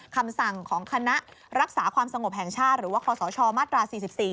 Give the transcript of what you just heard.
คำสั่งของคณะรักษาความสงบแห่งชาติหรือว่าคศมาตรา๔๔